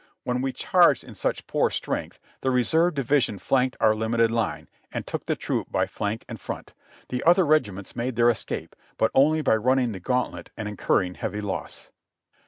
When we charged in such poor strength, the re serve division flanked our limited line, and took the troop by flank and front; the other regiments made their escape, but only by running the gauntlet and incurring heavy loss.